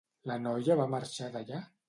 La noia va marxar d'allà?